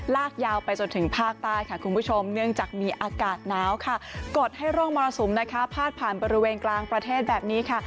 ลากยาวไปจนถึงภาคใต้ค่ะคุณผู้ชมเนื่องจากมีอากาศหนาวค่ะกดให้ร่องมรสุมนะคะพาดผ่านบริเวณกลางประเทศแบบนี้ค่ะ